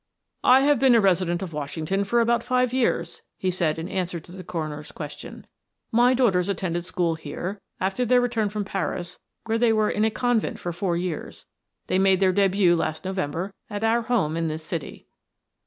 "I have been a resident of Washington for about five years," he said in answer to the coroner's question. "My daughters attended school here after their return from Paris, where they were in a convent for four years. They made their debut last November at our home in this city."